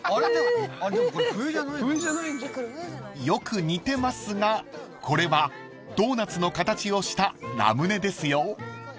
［よく似てますがこれはドーナツの形をしたラムネですよ］